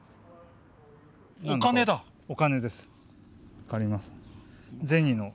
分かります？